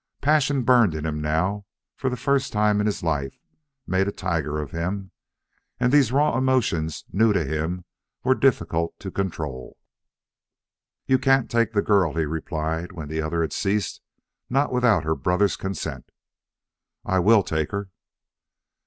Passion burned in him now, for the first time in his life, made a tiger of him. And these raw emotions, new to him, were difficult to control. "You can't take the girl," he replied, when the other had ceased. "Not without her brother's consent." "I will take her!"